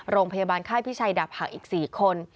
โรงพยาบาลค่ายพิชัยดาบหักอีก๔คน